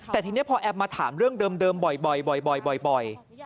แต่ทีนี้พอแอปมาถามเรื่องเดิมบ่อย